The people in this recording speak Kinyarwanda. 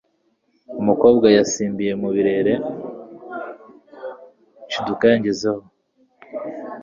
umukobwa yasimbiye mubirere nshiduka yanjyezeho